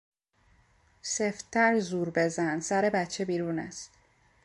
سفت تر زوربزن; سربچه بیرون است!